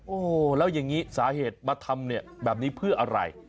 โอ้โหแล้วอย่างนี้สาเหตุมาทำเนี่ยแบบนี้เพื่ออะไร